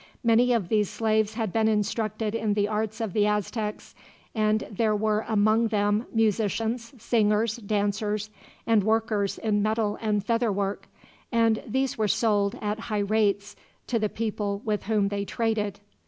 Many of these slaves had been instructed in the arts of the Aztecs, and there were among them musicians, singers, dancers, and workers in metal and feather work; and these were sold, at high rates, to the people with whom they traded.